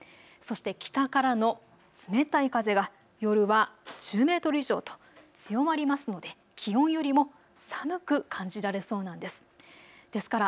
そして北からの冷たい風が夜は１０メートル以上と強まりますので気温よりも寒く感じられそうなんです。